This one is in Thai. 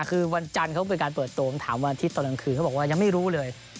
คือวันจันทร์เขาเป็นการเปิดตัวผมถามวันอาทิตย์ตอนกลางคืนเขาบอกว่ายังไม่รู้เลย